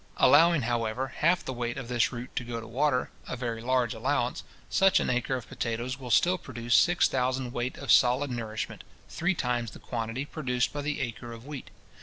Allowing, however, half the weight of this root to go to water, a very large allowance, such an acre of potatoes will still produce six thousand weight of solid nourishment, three times the quantity produced by the acre of wheat.